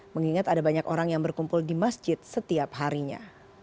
mengingat ada banyak orang yang berkumpul di masjid setiap harinya